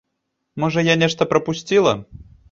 Можа, я нешта прапусціла.